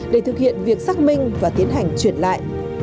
để thực hiện việc xác minh và tiến hành chuyển lại